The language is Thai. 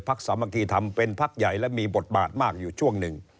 สามัคคีทำเป็นพักใหญ่และมีบทบาทมากอยู่ช่วงหนึ่ง